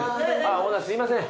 オーナーすいません。